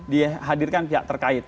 dihadirkan pihak terkait